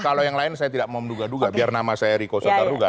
kalau yang lain saya tidak mau menduga duga biar nama saya riko sotarduga